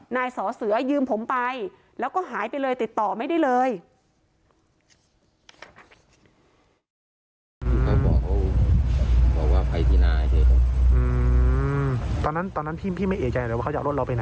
นายสอเสือยืมผมไปแล้วก็หายไปเลยติดต่อไม่ได้เลย